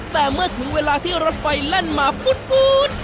แต่เมื่อถึงเวลาที่รถไฟแล่นมาปุ๊ด